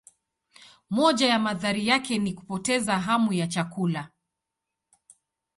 Moja ya madhara yake ni kupoteza hamu ya chakula.